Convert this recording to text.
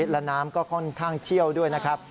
และน้ำก็ค่อนข้างเชี่ยวด้วยนะครับ